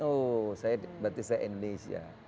oh berarti saya indonesia